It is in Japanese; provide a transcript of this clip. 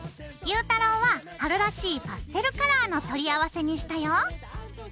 ゆうたろうは春らしいパステルカラーの取り合わせにしたよ。